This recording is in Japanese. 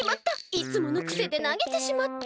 いつものくせでなげてしまった！